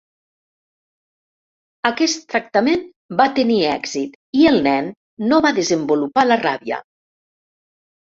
Aquest tractament va tenir èxit i el nen no va desenvolupar la ràbia.